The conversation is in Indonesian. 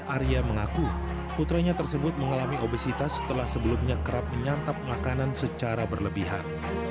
arya mengaku putranya tersebut mengalami obesitas setelah sebelumnya kerap menyantap makanan secara berlebihan